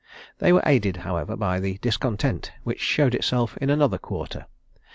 They were aided, however, by the discontent which showed itself in another quarter.